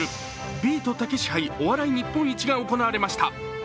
ビートたけし杯お笑い日本一が行われました。